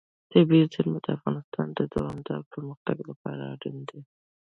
طبیعي زیرمې د افغانستان د دوامداره پرمختګ لپاره اړین دي.